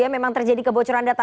memang terjadi kebocoran data